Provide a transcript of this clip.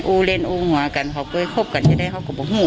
อูเล่นอูหัวกันเขาก็คบกันจะได้เขากลับกับหัว